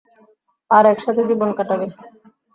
আর একসাথে জীবন কাটাবে।